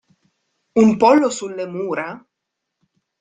Un pollo sulle mura?!